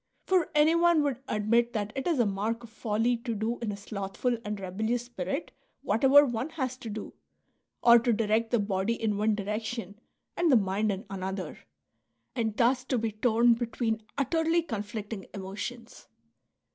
For anyone would admit that it is a mai k of folly to do in a slothful and rebellious spirit whatever one has to do, or to direct the body in one direction and the mind in another, and thus to be torn between utterly conflicting emotions.